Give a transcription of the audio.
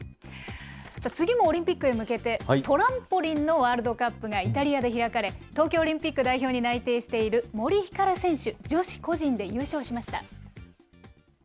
次もオリンピックへ向けて、トランポリンのワールドカップがイタリアで開かれ、東京オリンピック代表に内定している森ひかる選手、女子個人で優勝しました。